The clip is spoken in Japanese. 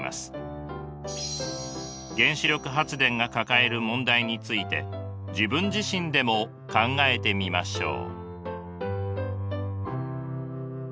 原子力発電が抱える問題について自分自身でも考えてみましょう。